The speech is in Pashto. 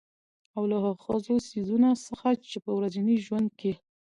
او له هـغو څـيزونه څـخـه چـې په ورځـني ژونـد کـې